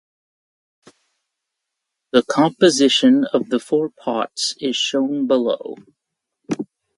The composition of the four pots is shown below.